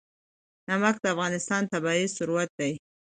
نمک د افغانستان طبعي ثروت دی.